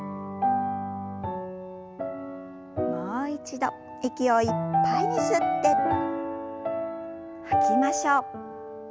もう一度息をいっぱいに吸って吐きましょう。